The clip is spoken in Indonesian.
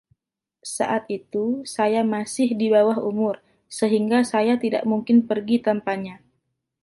Saat itu saya masih di bawah umur sehingga saya tidak mungkin pergi tanpanya.